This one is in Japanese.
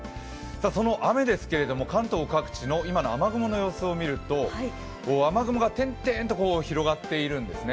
その雨ですけれども関東各地の今の雨雲の様子を見ると、雨雲が点々と広がっているんですね。